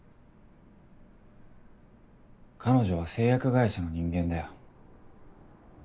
彼女は製薬会社の人間だよ。